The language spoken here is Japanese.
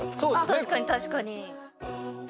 あ確かに確かに。